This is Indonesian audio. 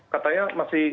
katanya masih ada